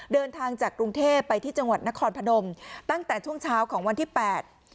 เดินทางจากกรุงเทพไปที่จังหวัดนครพนมตั้งแต่ช่วงเช้าของวันที่แปด